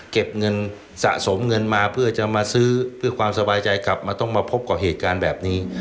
เก็บเงินสะสมเงินมาเพื่อจะมาซื้อเพื่อความสบายใจกลับมาต้องมาพบกับเหตุการณ์แบบนี้